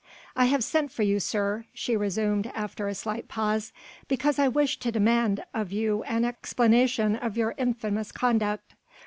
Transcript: "I have sent for you, sir," she resumed after a slight pause, "because I wished to demand of you an explanation of your infamous conduct.